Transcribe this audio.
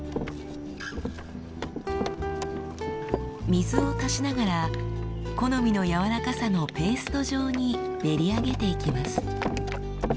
水を足しながら好みの軟らかさのペースト状に練り上げていきます。